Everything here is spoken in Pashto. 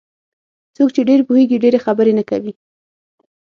څوک چې ډېر پوهېږي ډېرې خبرې نه کوي.